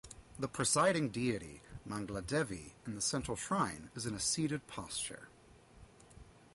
The presiding deity, Mangaladevi in the central shrine is in a seated posture.